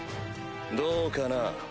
どうかな？